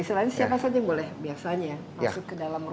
selain siapa saja yang boleh biasanya masuk ke dalam rumah